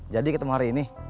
jadi ketemu hari ini